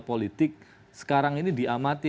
politik sekarang ini diamati